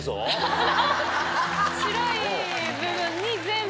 白い部分に全部。